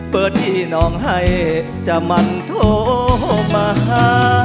เปิดอีนองให้จะมันโทษมา